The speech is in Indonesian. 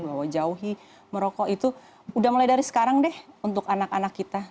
bahwa jauhi merokok itu udah mulai dari sekarang deh untuk anak anak kita